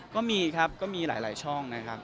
ก็มีครับก็มีหลายช่องนะครับ